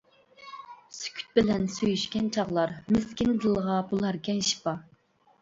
سۈكۈت بىلەن سۆيۈشكەن چاغلار، مىسكىن دىلغا بولاركەن شىپا.